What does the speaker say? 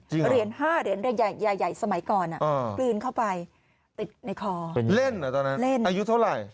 เหรียญ๕เหรียญใหญ่ใหญ่สมัยก่อนกลืนเข้าไปติดในคอเป็นเล่นเหรอตอนนั้นเล่นอายุเท่าไหร่